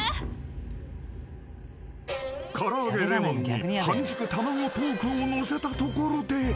［唐揚げレモンに半熟卵トークをのせたところで］